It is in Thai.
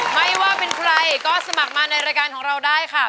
ไม่ว่าเป็นใครก็สมัครมาในรายการของเราได้ค่ะ